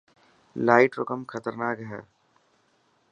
لائٽ رو ڪم خطرناڪ هي.